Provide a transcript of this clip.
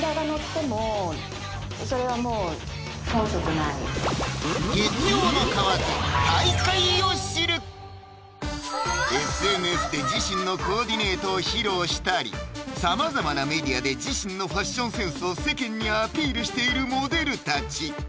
それはもうＳＮＳで自身のコーディネートを披露したりさまざまなメディアで自身のファッションセンスを世間にアピールしているモデルたち